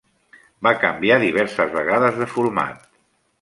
Va canviar diverses vegades de format.